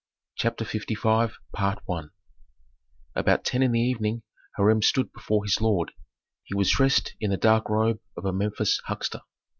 CHAPTER LV About ten in the evening Hiram stood before his lord. He was dressed in the dark robe of a Memphis huckster.